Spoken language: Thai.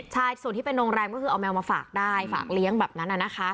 ใช่ส่วนที่เป็นโรงแรมก็คือเอาแมวมาฝากได้ฝากเลี้ยงแบบนั้น